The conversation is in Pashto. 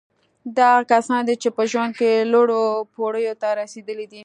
دا هغه کسان دي چې په ژوند کې لوړو پوړیو ته رسېدلي دي